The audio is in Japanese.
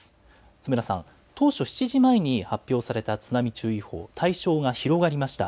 津村さん、当初７時前に発表された津波注意報、対象が広がりました。